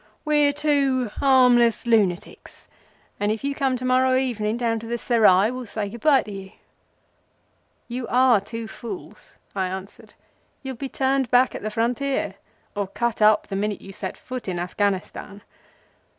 We're two harmless lunatics, and if you come, to morrow evening, down to the Serai we'll say good by to you." "You are two fools," I answered. "You'll be turned back at the Frontier or cut up the minute you set foot in Afghanistan.